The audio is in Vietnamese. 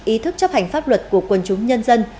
ý thức chấp hành pháp luật của quân chúng nhân dân